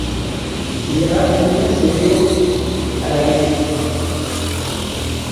Il ira finir ses jours à La Mecque.